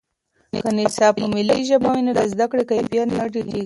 که نصاب په ملي ژبه وي، د زده کړې کیفیت نه ټیټېږي.